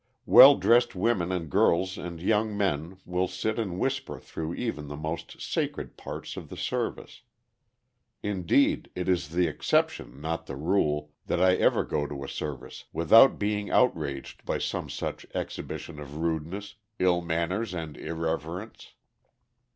Well dressed women and girls and young men will sit and whisper through even the most sacred parts of the service. Indeed, it is the exception, not the rule, that I ever go to a service without being outraged by some such exhibition of rudeness, ill manners, and irreverence.